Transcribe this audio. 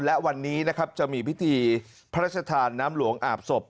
และวันนี้นะครับจะมีพิธีพระราชทานน้ำหลวงอาบศพ